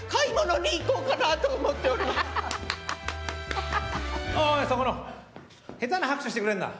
おーい、そこの、下手な拍手してくれんな。